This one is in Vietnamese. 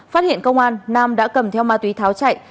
phát hiện công an nam đã cầm theo ma túy tháo chạy